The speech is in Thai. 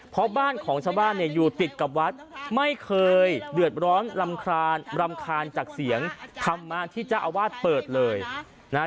เพราะบ้านของชาวบ้านเนี่ยอยู่ติดกับวัดไม่เคยเดือดร้อนรำคาญจากเสียงธรรมะที่เจ้าอาวาสเปิดเลยนะฮะ